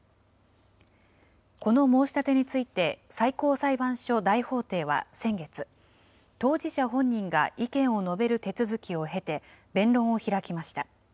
この申し立てについて、最高裁判所大法廷は先月、当事者本人が意見を述べる手続きを経て、弁論を開きました。